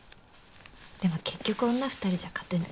でも結局女２人じゃ勝てない。